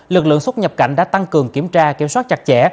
lực lượng xuất nhập cảnh đã tăng cường kiểm tra kiểm soát chặt chẽ